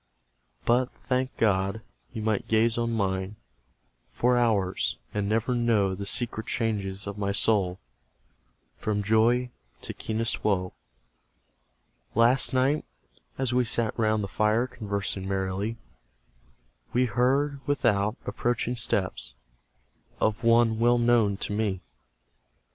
But, thank God! you might gaze on mine For hours, and never know The secret changes of my soul From joy to keenest woe. Last night, as we sat round the fire Conversing merrily, We heard, without, approaching steps Of one well known to me!